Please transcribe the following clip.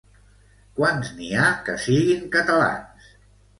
Quants n'hi ha que siguin catalans?